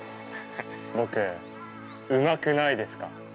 僕、うまくないですか？